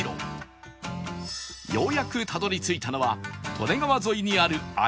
ようやくたどり着いたのは利根川沿いにある鮎